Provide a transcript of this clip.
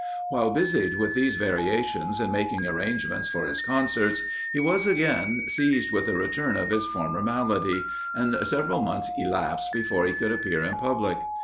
While busied with these variations, and making arrangements for his concerts, he was again seized with a return of his former malady, and several months elapsed before he could appear in public.